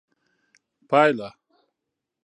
پايله